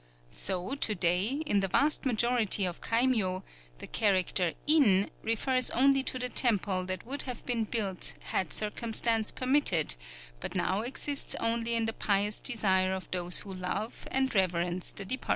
So to day, in the vast majority of kaimyō, the character in refers only to the temple that would have been built had circumstance permitted, but now exists only in the pious desire of those who love and reverence the departed.